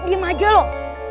diam aja loh